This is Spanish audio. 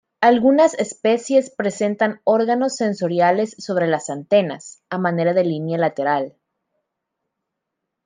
Algunas especies presentan órganos sensoriales sobre las antenas, a manera de línea lateral.